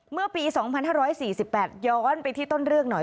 เมื่อปี๒๕๔๘ย้อนไปที่ต้นเรื่องหน่อย